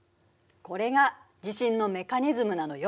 これが地震のメカニズムなのよ。